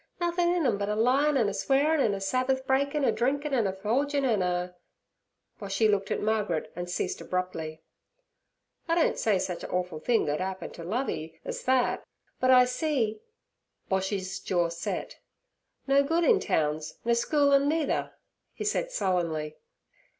Nothin' in 'em but a lyin' an' a swearin' an' a Sabbath breakin' a drinkin' an' a forgin' an' a—' Boshy looked at Margaret and ceased abruptly. 'I don't say sech a awful thing 'ud 'appen ter Lovey ez thet. But I see'—Boshy's jaw set—'no good in towns, nur schoolin' neither' he said sullenly.